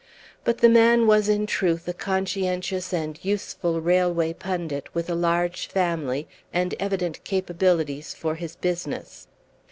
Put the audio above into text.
But the man was in truth a conscientious and useful railway pundit, with a large family, and evident capabilities for his business.